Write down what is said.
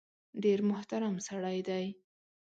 ډېر محترم سړی دی .